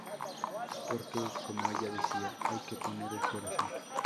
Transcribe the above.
Porque, como ella decía, hay que poner el corazón.